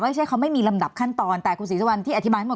ไม่ใช่เขาไม่มีลำดับขั้นตอนแต่คุณศรีสุวรรณที่อธิบายหมด